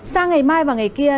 sang ngày mai và ngày kia